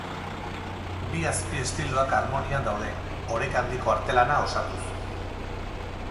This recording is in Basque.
Bi azpi-estiloak harmonian daude, oreka handiko artelana osatuz.